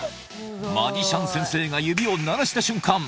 マジシャン先生が指を鳴らした瞬間